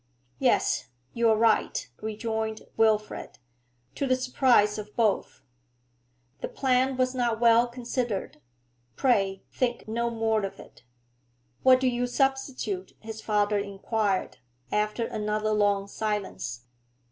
'Yes, you are right,' rejoined Wilfrid, to the surprise of both. 'The plan was not well considered. Pray think no more of it.' 'What do you substitute?' his father inquired, after another long silence.